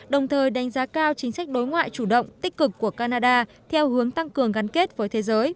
đồng thời đánh giá cao chính sách đối ngoại chủ động tích cực của canada theo hướng tăng cường gắn kết với thế giới